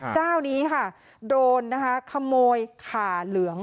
เจ้านี้ค่ะโดนนะคะขโมยขาเหลือง